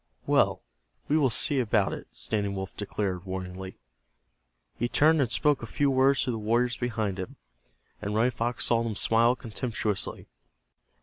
"Well, we will see about it," Standing Wolf declared, warningly. He turned and spoke a few words to the warriors behind him, and Running Fox saw them smile contemptuously.